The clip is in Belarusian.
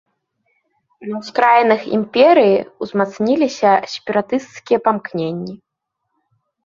На ўскраінах імперыі ўзмацніліся сепаратысцкія памкненні.